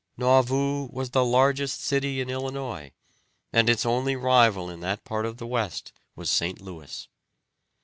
Nauvoo was the largest city in Illinois, and its only rival in that part of the West was St. Louis.